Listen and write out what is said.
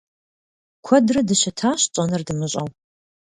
Куэдрэ дыщытащ, тщӀэнур дымыщӀэу.